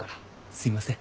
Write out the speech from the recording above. すいません。